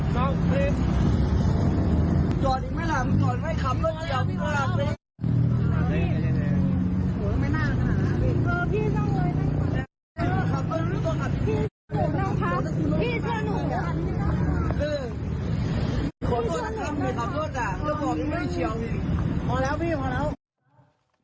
ขอโทษค่ะเดี๋ยวบอกว่าไม่ได้เชียวพอแล้วพี่พอแล้ว